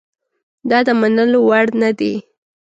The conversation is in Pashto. دا د منلو وړ نه دي.